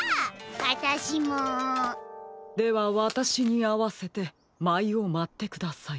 あたしも！ではわたしにあわせてまいをまってください。